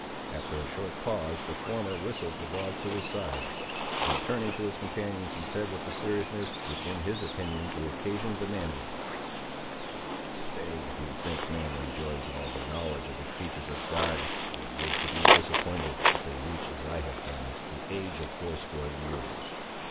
After a short pause the former whistled the dog to his side, and turning to his companions he said with the seriousness, which, in his opinion, the occasion demanded— "They who think man enjoys all the knowledge of the creatur's of God, will live to be disappointed, if they reach, as I have done, the age of fourscore years.